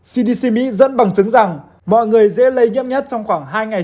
cdc mỹ dẫn bằng chứng rằng mọi người dễ lây nhiễm nhất trong khoảng hai ngày